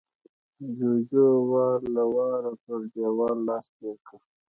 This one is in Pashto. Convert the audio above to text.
جُوجُو وار له واره پر دېوال لاس تېر کړ